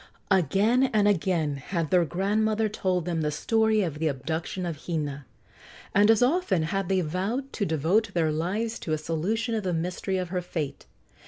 Again and again had their grandmother told them the story of the abduction of Hina, and as often had they vowed to devote their lives to a solution of the mystery of her fate.